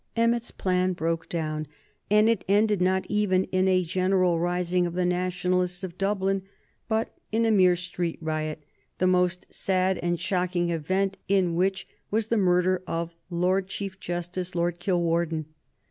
Emmet's plan broke down, and it ended not even in a general rising of the nationalists of Dublin, but in a mere street riot, the most sad and shocking event in which was the murder of the Lord Chief Justice, Lord Kilwarden.